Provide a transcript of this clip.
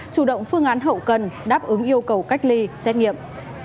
chủ động phương án hậu cần đáp ứng yêu cầu cách ly xét nghiệm